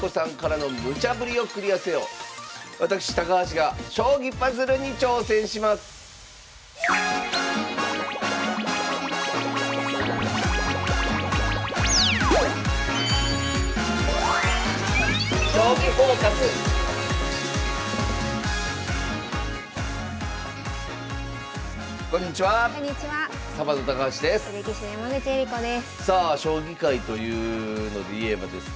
さあ将棋界というのでいえばですね